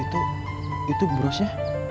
itu itu brosnya